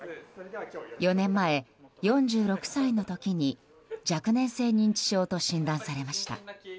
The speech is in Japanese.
４年前、４６歳の時に若年性認知症と診断されました。